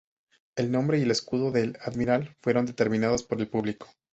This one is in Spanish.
El nombre y el escudo del Admiral fueron determinados por el público.